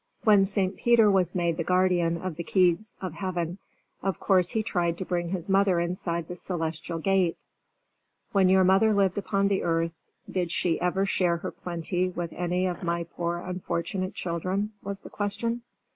When St. Peter was made the guardian of the keys of Heaven, of course he tried to bring his mother inside the celestial gate. "When your mother lived upon the earth did she ever share her plenty with any of my poor unfortunate children?" was the question.